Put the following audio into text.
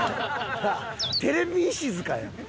「テレビ石塚」やん。